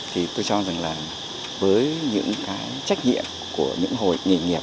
tôi cho rằng với những trách nhiệm của những hội nghề nghiệp